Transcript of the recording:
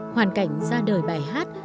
hoàn cảnh ra đời bài hát